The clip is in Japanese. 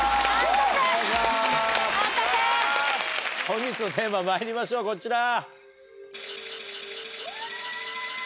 本日のテーマまいりましょうこちら。